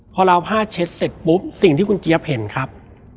พอเราเอาผ้าเช็ดเสร็จปุ๊บสิ่งที่คุณเจี๊ยบเห็นครับ